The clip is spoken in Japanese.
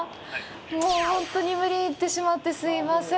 もう本当に無理言ってしまって、すいません。